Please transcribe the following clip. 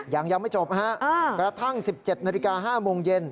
ยังยังไม่จบครับกระทั่ง๑๗น๕โมงเย็น